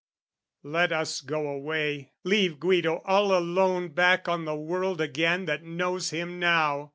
Let us go away leave Guido all alone Back on the world again that knows him now!